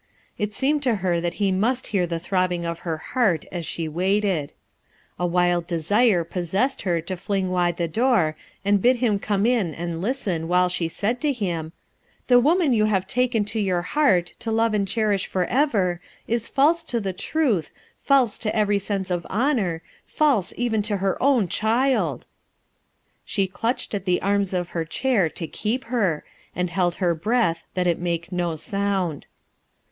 It seemed to her that he must hear the throbbing of her heart as she waited, A wild desire JUSTICE OR MERCY? 235 possessed her to fling wide the door and bid him come in and listen while she sa id to hhn "The woman you have taken to your heart, to love and cherish forever, k false to the truth, false to every sense of honor, false even to her own child!" She clutched at the arms of her chair, to keep her, and held her breath that it make no sound.